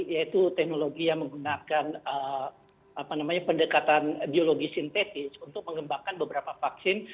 yaitu teknologi yang menggunakan pendekatan biologi sintetis untuk mengembangkan beberapa vaksin